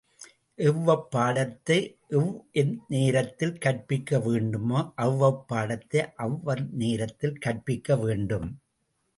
எவ்வெப் பாடத்தை எவ்வெந் நேரத்தில் கற்பிக்க வேண்டுமோ அவ்வப் பாடத்தை அவ்வந் நேரத்தில் கற்பிக்க வேண்டும்.